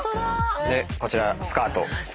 でこちらスカート。